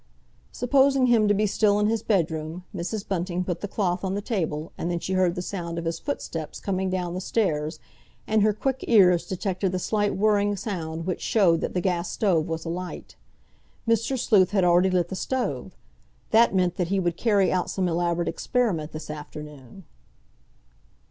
Supposing him to be still in his bedroom, Mrs. Bunting put the cloth on the table, and then she heard the sound of his footsteps coming down the stairs, and her quick ears detected the slight whirring sound which showed that the gas stove was alight. Mr. Sleuth had already lit the stove; that meant that he would carry out some elaborate experiment this afternoon.